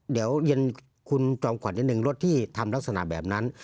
เดี๋ยวเย็นคุณจอมขวัญนิดนึงรถที่ทำลักษณะแบบนั้น